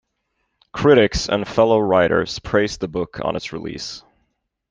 Critics and fellow writers praised the book on its release.